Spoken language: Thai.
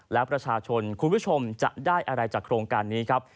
และประชาชนคุณผู้ชมจะได้อะไรจากโครงการนี้ครับ